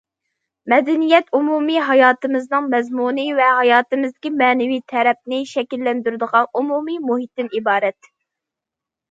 مەدەنىيەت ئومۇمى ھاياتىمىزنىڭ مەزمۇنى ۋە ھاياتىمىزدىكى مەنىۋى تەرەپنى شەكىللەندۈرىدىغان ئومۇمى مۇھىتتىن ئىبارەت.